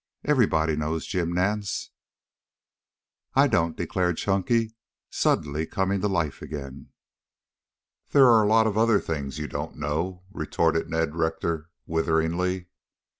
Everybody knows Jim Nance." "I don't," declared Chunky, suddenly coming to life again. "There are a lot of other things you don't know," retorted Ned Rector witheringly.